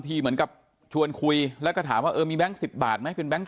เหมือนกับชวนคุยแล้วก็ถามว่าเออมีแบงค์๑๐บาทไหมเป็นแก๊ง